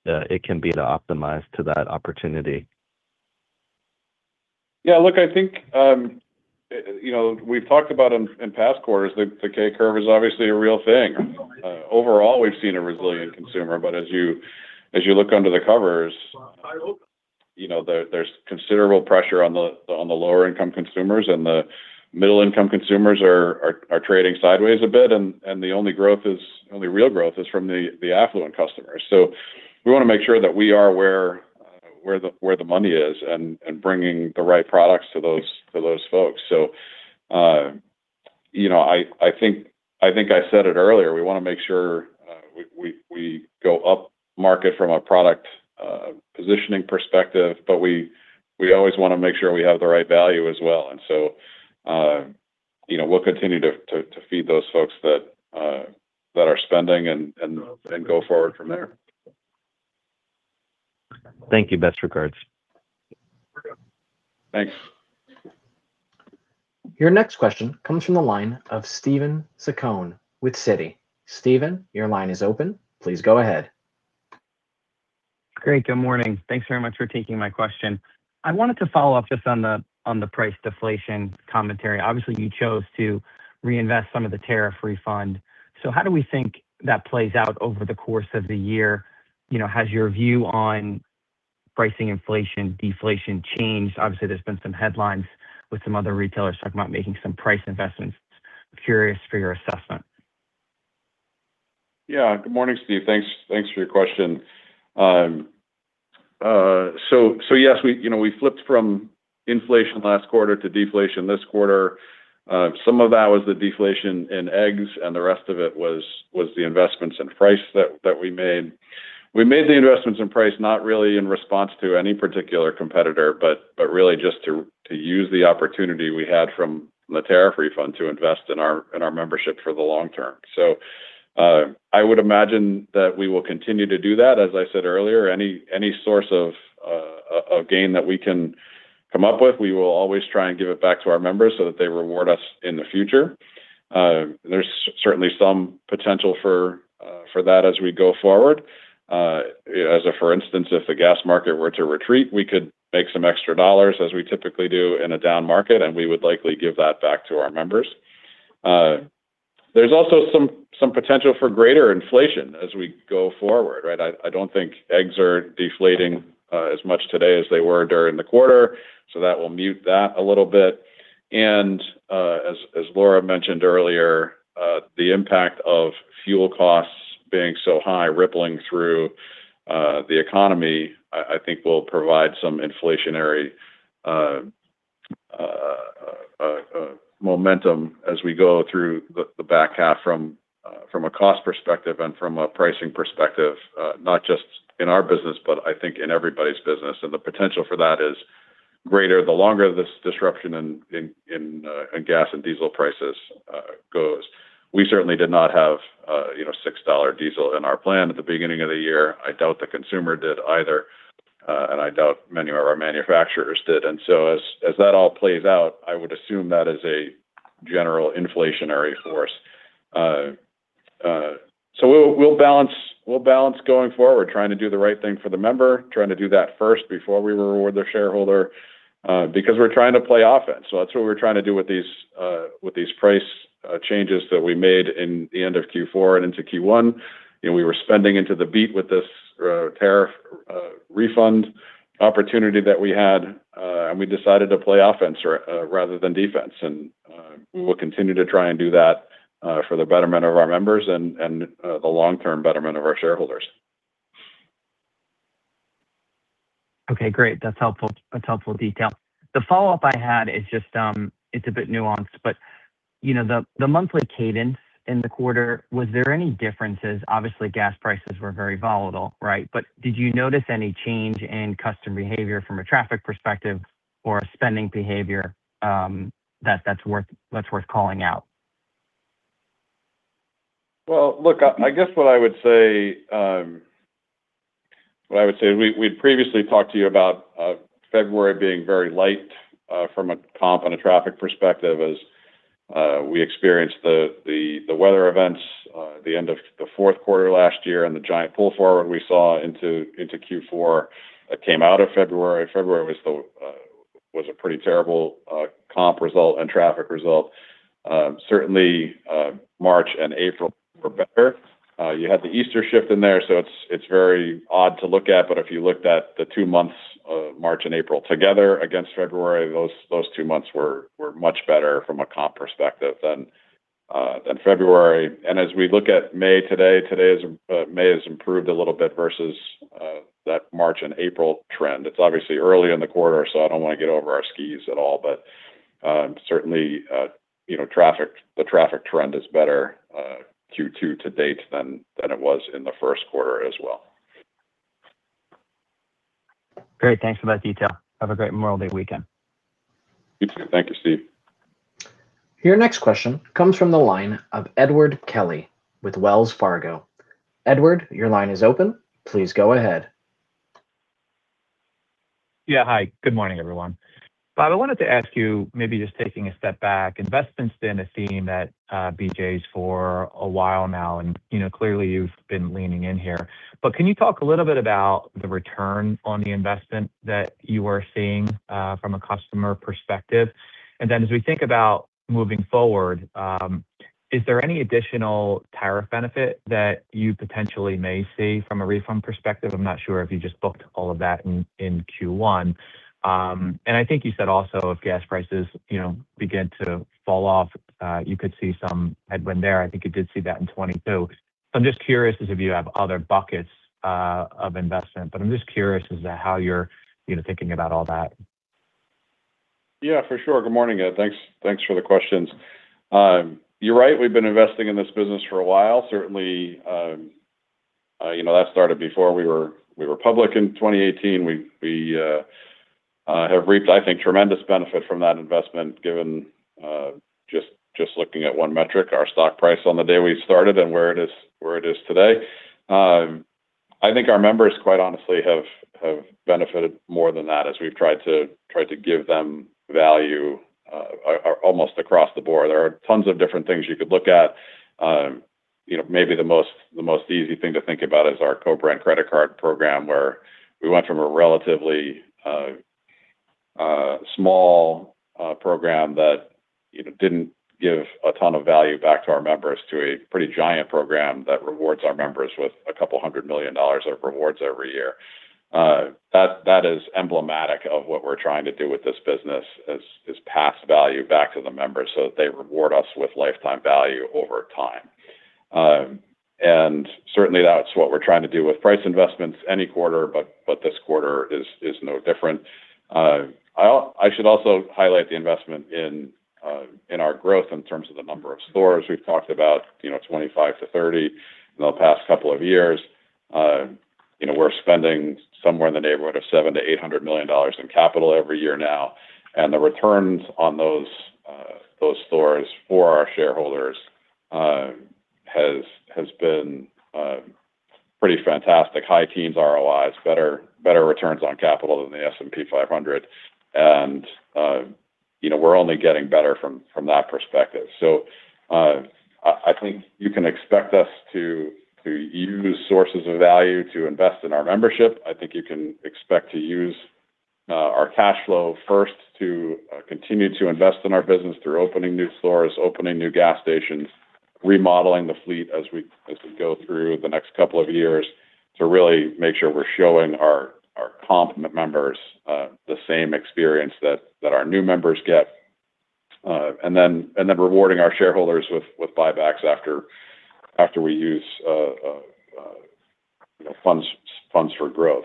it can be to optimize to that opportunity. Yeah, look, I think we've talked about in past quarters that the K-curve is obviously a real thing. Overall, we've seen a resilient consumer, but as you look under the covers, there's considerable pressure on the lower-income consumers, and the middle-income consumers are trading sideways a bit, and the only real growth is from the affluent customers. We want to make sure that we are where the money is and bringing the right products to those folks. I think I said it earlier, we want to make sure we go up market from a product positioning perspective, but we always want to make sure we have the right value as well. We'll continue to feed those folks that are spending and go forward from there. Thank you. Best regards. Thanks. Your next question comes from the line of Steven Zaccone with Citi. Steven, your line is open. Please go ahead. Great. Good morning. Thanks very much for taking my question. I wanted to follow up just on the price deflation commentary. Obviously, you chose to reinvest some of the tariff refund. How do we think that plays out over the course of the year? Has your view on pricing inflation, deflation changed? Obviously, there's been some headlines with some other retailers talking about making some price investments. Curious for your assessment. Yeah. Good morning, Steve. Thanks for your question. Yes, we flipped from inflation last quarter to deflation this quarter. Some of that was the deflation in eggs, and the rest of it was the investments in price that we made. We made the investments in price not really in response to any particular competitor, but really just to use the opportunity we had from the tariff refund to invest in our membership for the long term. I would imagine that we will continue to do that. As I said earlier, any source of gain that we can come up with, we will always try and give it back to our members so that they reward us in the future. There's certainly some potential for that as we go forward. For instance, if the gas market were to retreat, we could make some extra dollars as we typically do in a down market, and we would likely give that back to our members. There's also some potential for greater inflation as we go forward, right? I don't think eggs are deflating as much today as they were during the quarter, that will mute that a little bit. As Laura mentioned earlier, the impact of fuel costs being so high rippling through the economy, I think will provide some inflationary momentum as we go through the back half from a cost perspective and from a pricing perspective. Not just in our business, but I think in everybody's business. The potential for that is greater the longer this disruption in gas and diesel prices goes. We certainly did not have $6 diesel in our plan at the beginning of the year. I doubt the consumer did either. I doubt many of our manufacturers did. As that all plays out, I would assume that is a general inflationary force. We'll balance going forward, trying to do the right thing for the member, trying to do that first before we reward the shareholder, because we're trying to play offense. That's what we're trying to do with these price changes that we made in the end of Q4 and into Q1. We were spending into the beat with this tariff refund opportunity that we had, and we decided to play offense rather than defense. We'll continue to try and do that for the betterment of our members and the long-term betterment of our shareholders. Okay, great. That's helpful detail. The follow-up I had is just a bit nuanced, but the monthly cadence in the quarter, was there any differences? Obviously, gas prices were very volatile, right? Did you notice any change in customer behavior from a traffic perspective or a spending behavior that's worth calling out? Well, look, I guess what I would say is, we'd previously talked to you about February being very light from a comp and a traffic perspective as we experienced the weather events at the end of the fourth quarter last year and the giant pull forward we saw into Q4 that came out of February. February was a pretty terrible comp result and traffic result. Certainly, March and April were better. You had the Easter shift in there, so it's very odd to look at, but if you looked at the two months of March and April together against February, those two months were much better from a comp perspective than February. As we look at May today, May has improved a little bit versus that March and April trend. It's obviously early in the quarter, so I don't want to get over our skis at all. Certainly, the traffic trend is better Q2 to date than it was in the first quarter as well. Great. Thanks for that detail. Have a great Memorial Day weekend. You too. Thank you, Steve. Your next question comes from the line of Edward Kelly with Wells Fargo. Edward, your line is open. Please go ahead. Yeah. Hi, good morning, everyone. Bob, I wanted to ask you, maybe just taking a step back, investments been a theme at BJ's for a while now, and clearly you've been leaning in here. Can you talk a little bit about the return on the investment that you are seeing from a customer perspective? As we think about moving forward, is there any additional tariff benefit that you potentially may see from a refund perspective? I'm not sure if you just booked all of that in Q1. I think you said also if gas prices begin to fall off, you could see some headwind there. I think you did see that in 2022. I'm just curious as if you have other buckets of investment, but I'm just curious as to how you're thinking about all that. Yeah, for sure. Good morning, Ed. Thanks for the questions. You're right. We've been investing in this business for a while. Certainly, that started before we were public in 2018. We have reaped, I think, tremendous benefit from that investment, given just looking at one metric, our stock price on the day we started and where it is today. I think our members, quite honestly, have benefited more than that as we've tried to give them value almost across the board. There are tons of different things you could look at. Maybe the most easy thing to think about is our co-brand credit card program, where we went from a relatively small program that didn't give a ton of value back to our members to a pretty giant program that rewards our members with $200 million of rewards every year. That is emblematic of what we're trying to do with this business, is pass value back to the members so that they reward us with lifetime value over time. Certainly, that's what we're trying to do with price investments any quarter, but this quarter is no different. I should also highlight the investment in our growth in terms of the number of stores. We've talked about 25-30 in the past couple of years. We're spending somewhere in the neighborhood of $700 million-$800 million in capital every year now. The returns on those stores for our shareholders has been pretty fantastic. High teens ROIs, better returns on capital than the S&P 500, We're only getting better from that perspective. I think you can expect us to use sources of value to invest in our membership. I think you can expect to use our cash flow first to continue to invest in our business through opening new stores, opening new gas stations, remodeling the fleet as we go through the next couple of years to really make sure we're showing our comp members the same experience that our new members get, and then rewarding our shareholders with buybacks after we use funds for growth.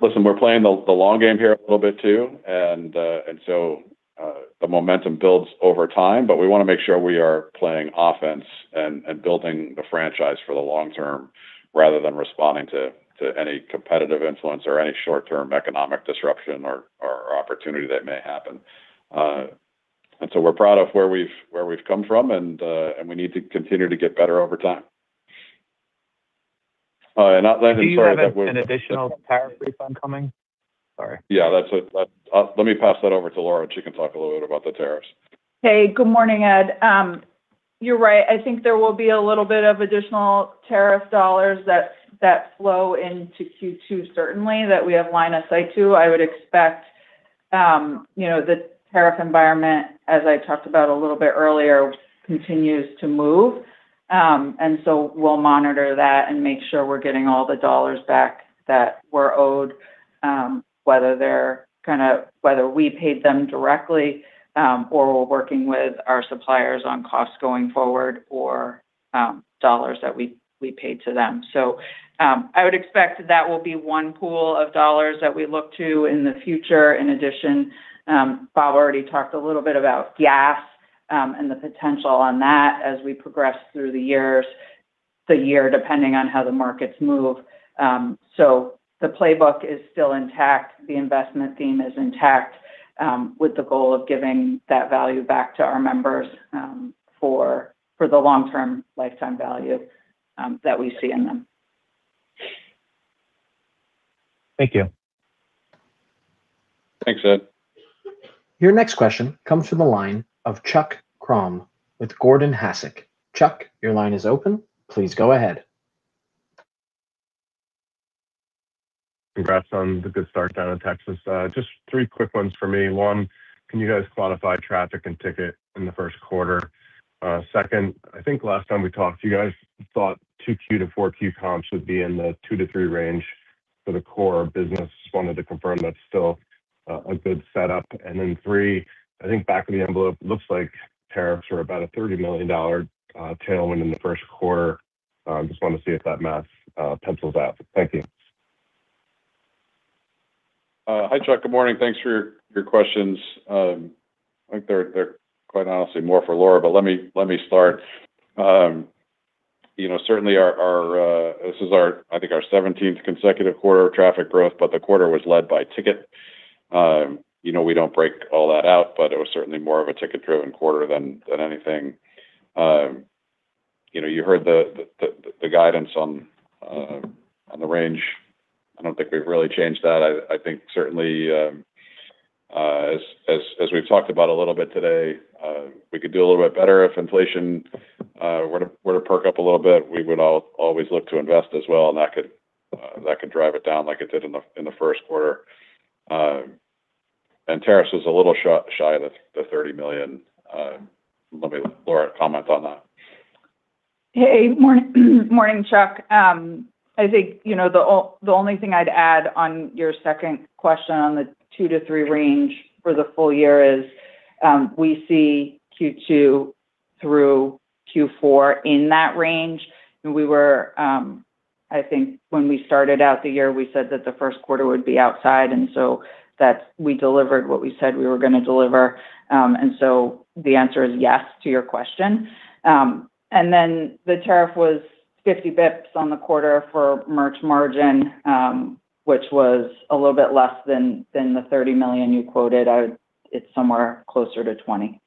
Listen, we're playing the long game here a little bit too, and so the momentum builds over time, but we want to make sure we are playing offense and building the franchise for the long term rather than responding to any competitive influence or any short-term economic disruption or opportunity that may happen. We're proud of where we've come from, and we need to continue to get better over time. Do you have an additional tariff refund coming? Sorry. Yeah. Let me pass that over to Laura, and she can talk a little bit about the tariffs. Hey, good morning, Ed. You're right. I think there will be a little bit of additional tariff dollars that flow into Q2 certainly that we have line of sight to. I would expect the tariff environment, as I talked about a little bit earlier, continues to move. We'll monitor that and make sure we're getting all the dollars back that we're owed, whether we paid them directly or we're working with our suppliers on costs going forward or dollars that we paid to them. I would expect that will be one pool of dollars that we look to in the future. In addition, Bob already talked a little bit about gas and the potential on that as we progress through the year, depending on how the markets move. The playbook is still intact. The investment theme is intact with the goal of giving that value back to our members for the long-term lifetime value that we see in them. Thank you. Thanks, Ed. Your next question comes from the line of Chuck Grom with Gordon Haskett. Chuck, your line is open. Please go ahead. Congrats on the good start down in Texas. Just three quick ones for me. One, can you guys quantify traffic and ticket in the first quarter? Second, I think last time we talked, you guys thought 2Q to 4Q comps would be in the 2%-3% range for the core business. Just wanted to confirm that's still a good setup. Three, I think back of the envelope looks like tariffs were about a $30 million tailwind in the first quarter. Just wanted to see if that math pencils out. Thank you. Hi, Chuck. Good morning. Thanks for your questions. I think they're quite honestly more for Laura. Let me start. Certainly, this is, I think, our 17th consecutive quarter of traffic growth, but the quarter was led by ticket. We don't break all that out, but it was certainly more of a ticket-driven quarter than anything. You heard the guidance on the range. I don't think we've really changed that. I think certainly, as we've talked about a little bit today, we could do a little bit better if inflation were to perk up a little bit. We would always look to invest as well, and that could drive it down like it did in the first quarter. Tariffs was a little shy of the $30 million. Let Laura comment on that. Hey. Morning, Chuck. I think the only thing I'd add on your second question on the 2%-3% range for the full-year is we see Q2 through Q4 in that range. I think when we started out the year, we said that the first quarter would be outside, and so we delivered what we said we were going to deliver. The answer is yes to your question. Then the tariff was 50 basis points on the quarter for merch margin, which was a little bit less than the $30 million you quoted. It's somewhere closer to $20 million.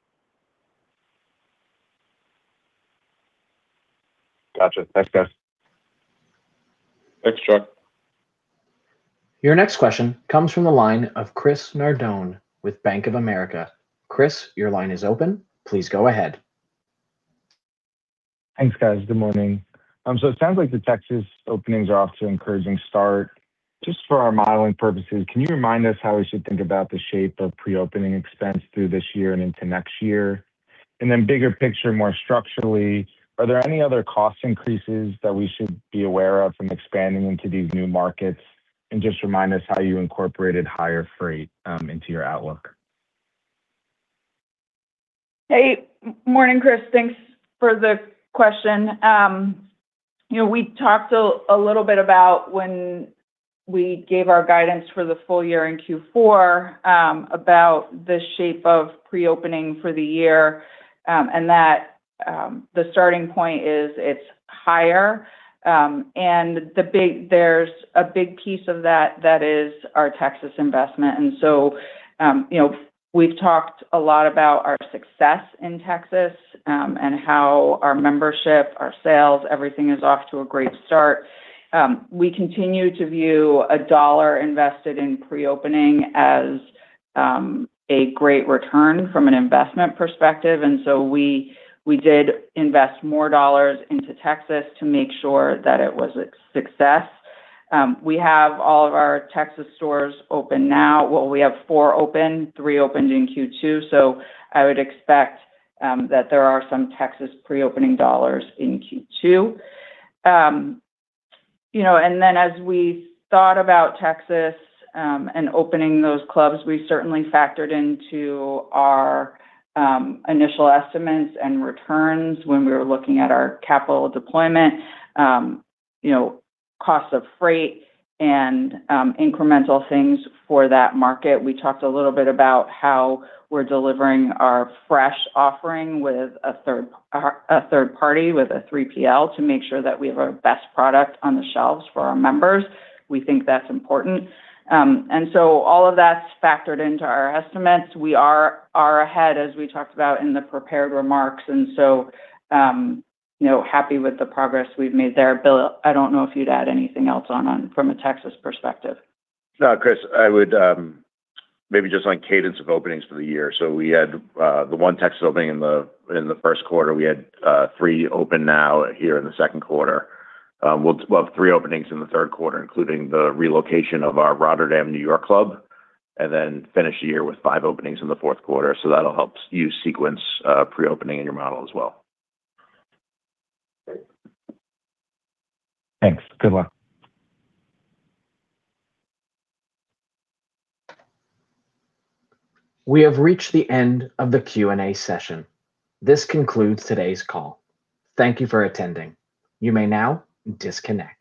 Got you. Thanks, guys. Thanks, Chuck. Your next question comes from the line of Chris Nardone with Bank of America. Chris, your line is open. Please go ahead. Thanks, guys. Good morning. It sounds like the Texas openings are off to an encouraging start. Just for our modeling purposes, can you remind us how we should think about the shape of pre-opening expense through this year and into next year? Bigger picture, more structurally, are there any other cost increases that we should be aware of from expanding into these new markets? Just remind us how you incorporated higher freight into your outlook. Morning, Chris. Thanks for the question. We talked a little bit about when we gave our guidance for the full-year in Q4 about the shape of pre-opening for the year, and that the starting point is it's higher. There's a big piece of that is our Texas investment. We've talked a lot about our success in Texas, and how our membership, our sales, everything is off to a great start. We continue to view a dollar invested in pre-opening as a great return from an investment perspective, we did invest more dollars into Texas to make sure that it was a success. We have all of our Texas stores open now. Well, we have four open, three opened in Q2, I would expect that there are some Texas pre-opening dollars in Q2. As we thought about Texas, and opening those clubs, we certainly factored into our initial estimates and returns when we were looking at our capital deployment, costs of freight and incremental things for that market. We talked a little bit about how we're delivering our fresh offering with a third party, with a 3PL, to make sure that we have our best product on the shelves for our members. We think that's important. All of that's factored into our estimates. We are ahead, as we talked about in the prepared remarks, and so happy with the progress we've made there. Bill, I don't know if you'd add anything else from a Texas perspective. No, Chris, I would maybe just on cadence of openings for the year. We had the one Texas opening in the first quarter. We had three open now here in the second quarter. We'll have three openings in the third quarter, including the relocation of our Rotterdam, New York club, and then finish the year with five openings in the fourth quarter. That'll help you sequence pre-opening in your model as well. Thanks. Good luck. We have reached the end of the Q&A session. This concludes today's call. Thank you for attending. You may now disconnect.